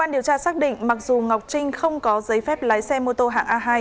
điều tra xác định mặc dù ngọc trinh không có giấy phép lái xe mô tô hạng a hai